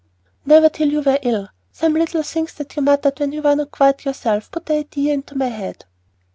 "Never till you were ill. Some little things that you muttered when you were not quite yourself put the idea into my head."